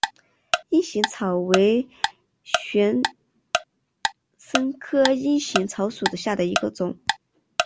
阴行草为玄参科阴行草属下的一个种。